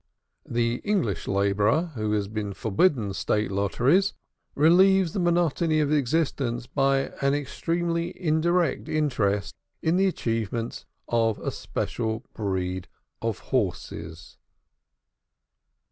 The English laborer, who has been forbidden State Lotteries, relieves the monotony of existence by an extremely indirect interest in the achievements of a special breed of horses.